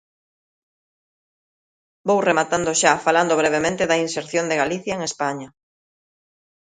Vou rematando xa, falando brevemente da inserción de Galicia en España.